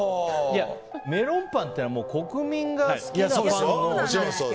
メロンパンっていうのは国民が好きなんですよ。